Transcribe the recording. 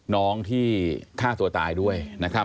น้องที่ฆ่าตัวตายด้วย